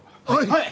はい。